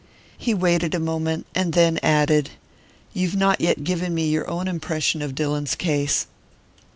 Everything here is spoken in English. He waited a moment, and then added: "You've not yet given me your own impression of Dillon's case."